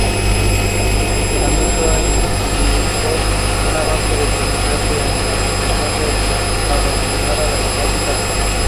Su funcionamiento implicó un avance determinante en la constitución de la denominada democracia ateniense.